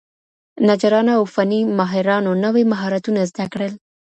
نجارانو او فني ماهرانو نوي مهارتونه زده کړل.